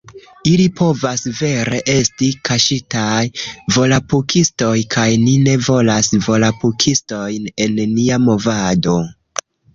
Ili povas vere esti kaŝitaj volapukistoj kaj ni ne volas volapukistojn en nia movado